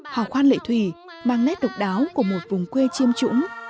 hò khoan lệ thủy mang nét độc đáo của một vùng quê chiêm trũng